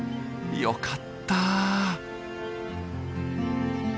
よかった。